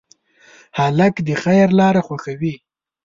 هلک د خیر لاره خوښوي.